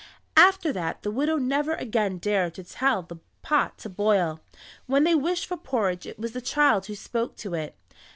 After that the widow never again dared to tell the pot to boil. When they wished for porridge it was the child who spoke to it.